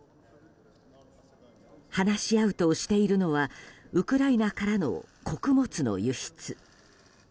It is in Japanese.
話し合うとしているのはウクライナからの穀物の輸出。